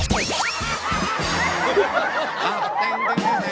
คุณจะต้องโชว์ให้เขาดูอ่ะ